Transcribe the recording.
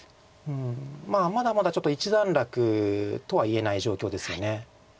まだまだちょっと一段落とは言えない状況ですよね。